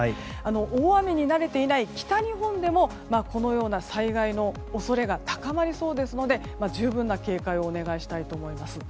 大雨に慣れていない北日本でもこのような災害の恐れが高まりそうですので十分な警戒をお願いしたいと思います。